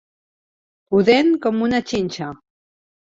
Pudent com una xinxa.